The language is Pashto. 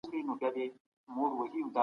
خلاقیت د پېښو پر متفاوت حساسیت اغېزه کوي.